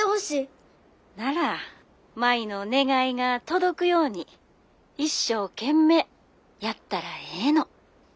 ☎なら舞の願いが届くように一生懸命やったらええの。